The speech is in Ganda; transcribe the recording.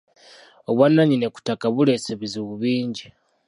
Obwannannyini ku ttaka buleese ebizibu bingi.